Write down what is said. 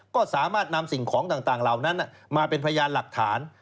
ก็สามารถนำสิ่งของต่างเหล่านั้นมาเป็นพยานหลักฐาน